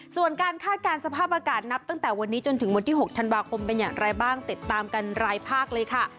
ส่วนการคาดการณ์สภาพอากาศนับตั้งแต่วันนี้จนถึงวันที่๖ธันวาคมเป็นอย่างไรบ้างติดตามกันรายภาคเลยค่ะ